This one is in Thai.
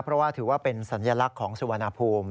เพราะว่าถือว่าเป็นสัญลักษณ์ของสุวรรณภูมิ